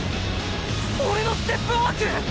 俺のステップワーク！？